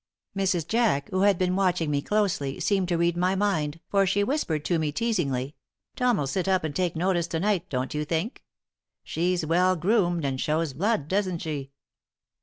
Mrs. Jack, who had been watching me closely, seemed to read my mind, for she whispered to me teasingly: "Tom'll sit up and take notice to night, don't you think? She's well groomed and shows blood, doesn't she?"